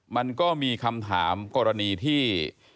มันก็มีคำถามกรณีที่